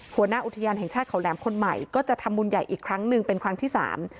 หัวหน้าอุทยานแห่งชาติเขาแหลมคนใหม่ก็จะทำบุญใหญ่อีกครั้งหนึ่งเป็นครั้งที่สาม